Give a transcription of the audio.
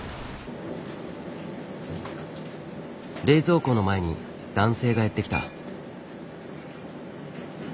冷蔵庫の前に男性がやって来た。